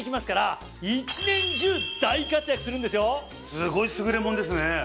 すごい優れ物ですね。